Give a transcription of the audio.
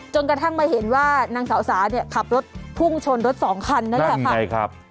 จนกระทั่งไม่เห็นว่านางสาวสานี่ขับรถพุ่งชนรถสองคันนะครับ